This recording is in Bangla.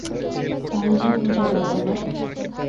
কাল যে পূজা বাপ আমার!